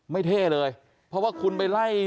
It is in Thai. เท่เลยเพราะว่าคุณไปไล่